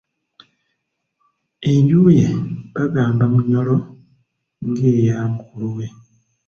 Enju ye Bagambamunyoro ng'eya mukulu we.